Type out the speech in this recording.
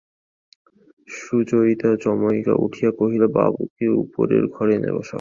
সুচরিতা চমকিয়া উঠিয়া কহিল, বাবুকে উপরের ঘরে এনে বসাও।